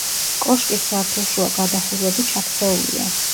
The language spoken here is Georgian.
კოშკის სართულშუა გადახურვები ჩაქცეულია.